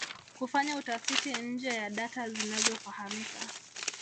Kufanya utafiti nje ya data zinazofahamika